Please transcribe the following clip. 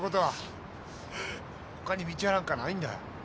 ほかに道なんかないんだよ。